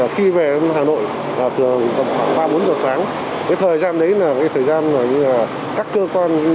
khi về hà nội thường là khoảng ba bốn giờ sáng